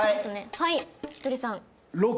はいひとりさん。